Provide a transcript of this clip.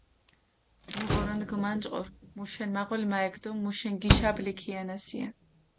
მუ ღორონთქ გჷმანჭყორ, მუშენ მაღოლ მა ექ დო მუშენ გიშაბლი ქიანასია.